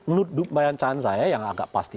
menurut bayangkan saya yang agak pasti